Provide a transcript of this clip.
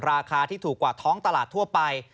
ราคาที่ถูกกว่าท้องตลาดทั่วไป